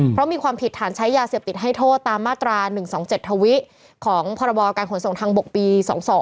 เพราะมีความผิดฐานใช้ยาเสพติดให้โทษตามมาตรา๑๒๗ทวิของพรบการขนส่งทางบกปี๒๒